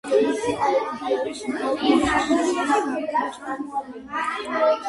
ეს იყო კონფლიქტის შესახებ უშიშროების საბჭოს პირველი რეზოლუცია.